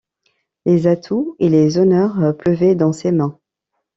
Les atouts et les honneurs pleuvaient dans ses mains.